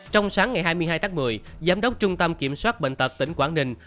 trong sáng ngày hai mươi hai tháng một mươi giám đốc trung tâm kiểm soát bệnh tật tỉnh quảng ninh